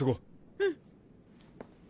うん。